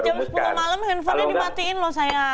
kalau diatas jam sepuluh malam handphonenya dimatiin loh sayang